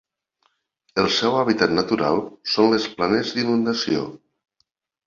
El seu hàbitat natural són les planes d'inundació.